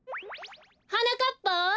はなかっぱ？